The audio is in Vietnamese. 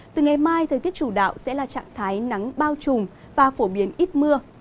từ ngày mai thời tiết chủ đạo sẽ là trạng thái nắng bao trùm và phổ biến ít mưa